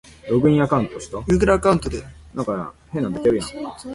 A lance in the original sense is a light throwing spear, or javelin.